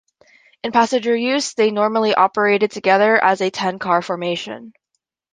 In passenger use, they normally operated together as a ten-car formation.